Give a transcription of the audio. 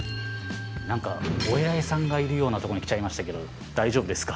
何かお偉いさんがいるようなとこに来ちゃいましたけど大丈夫ですか？